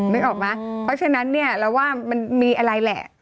นึกออกไหมเพราะฉะนั้นเนี่ยเราว่ามันมีอะไรแหละ